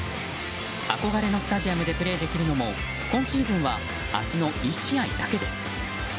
憧れのスタジアムでプレーできるのも今シーズンは明日の１試合だけです。